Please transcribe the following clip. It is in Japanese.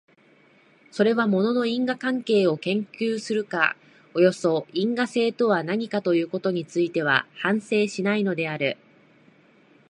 それは物の因果関係を研究するか、およそ因果性とは何かということについては反省しないのである。